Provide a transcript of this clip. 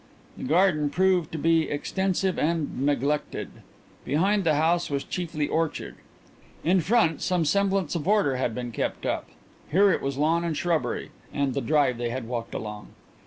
The garden proved to be extensive and neglected. Behind the house was chiefly orchard. In front, some semblance of order had been kept up; here it was lawn and shrubbery, and the drive they had walked along.